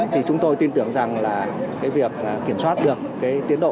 thì chúng tôi tin tưởng rằng việc kiểm soát được tiến độ của dự án tổng thể vào cuối hai nghìn hai mươi